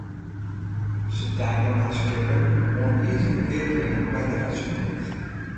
Se takelen har skippen oan izeren keatlingen by de rots omheech.